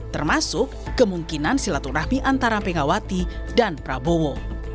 termasuk kemungkinan silaturahmi antara megawati dan prabowo